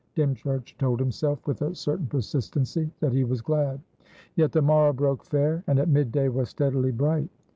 Dymchurch told himself, with a certain persistency, that he was glad. Yet the morrow broke fair, and at mid day was steadily bright.